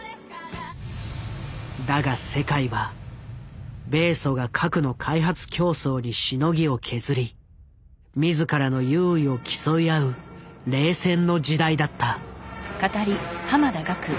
だが世界は米ソが核の開発競争にしのぎを削り自らの優位を競い合う冷戦の時代だった。